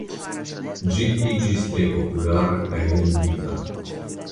Ĝi iĝis tre populara kaj vendita.